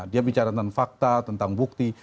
dia bicara tentang fakta tentang bukti